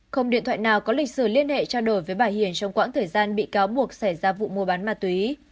không điện thoại nào có lịch sử liên hệ trao đổi với bà hiền trong quãng thời gian bị cáo buộc xảy ra vụ mua bán ma túy